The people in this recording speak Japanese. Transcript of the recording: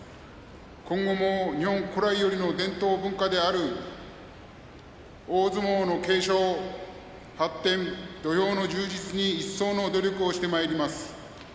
今後も日本古来よりの伝統文化である大相撲の継承・発展土俵の充実に一層の努力をしてまいります。